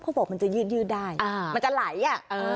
เขาบอกมันจะยืดยืดได้อ่ามันจะไหลอ่ะเออ